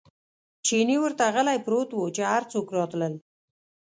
چیني ورته غلی پروت و، چې هر څوک راتلل.